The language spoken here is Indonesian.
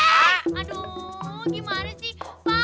aduh gimana sih